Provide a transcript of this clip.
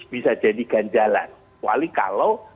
bisa jadi ganjalan kecuali kalau